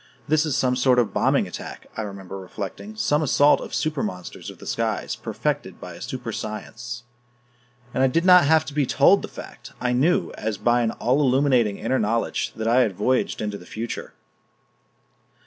"This is some sort of bombing attack," I remember reflecting, "some assault of super monsters of the skies, perfected by a super science." And I did not have to be told the fact; I knew, as by an all illuminating inner knowledge, that I had voyaged into the future.